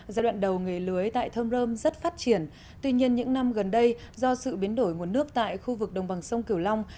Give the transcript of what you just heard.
giai đoạn đầu nghề lưới tại thơm rơm rất phát triển tuy nhiên những năm gần đây do sự biến đổi nguồn nước tại khu vực đồng bằng sông cửu long